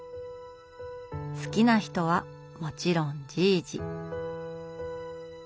好きな人はもちろん「じいじ」。